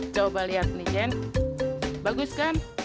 coba lihat nih jen bagus kan